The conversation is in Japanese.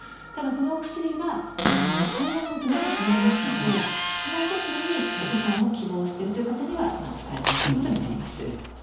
ただこのお薬は排卵を止めてしまいますのでその時にお子さんを希望してるという方には使えないということになります。